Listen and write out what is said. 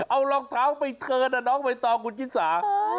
เอารองเท้าไปเถินน่ะน้องไปต่อคุณชินสา